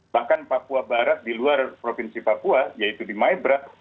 bahkan papua barat di luar provinsi papua yaitu di maibra